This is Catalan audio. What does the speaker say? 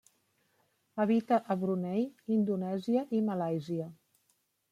Habita a Brunei, Indonèsia, i Malàisia.